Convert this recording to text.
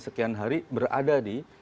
sekian hari berada di